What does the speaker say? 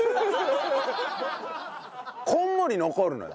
こんもり残るのよ